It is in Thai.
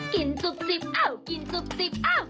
กินจุ๊บจิ๊บอ้าวกินจุ๊บจิ๊บอ้าว